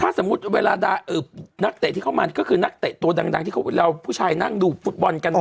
ถ้าสมมุติเวลานักเตะที่เข้ามาก็คือนักเตะตัวดังที่เราผู้ชายนั่งดูฟุตบอลกัน